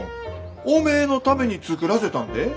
おめえのために作らせたんでえ。